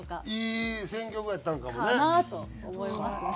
いい選曲やったんかもね。